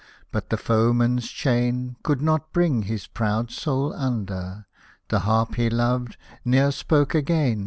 — but the foeman's chain Could not bring his proud soul under ; The harp he loved ne'er spoke again.